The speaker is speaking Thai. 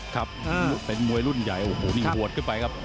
ครับเป็นมวยรุ่นใหญ่โอ้โหนี่บวชขึ้นไปครับ